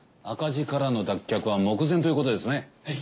赤字からの脱却は目前ということですね。